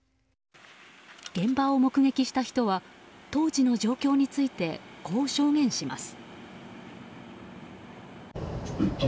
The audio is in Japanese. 現場を目撃した人は、当時の状況について、こう証言します。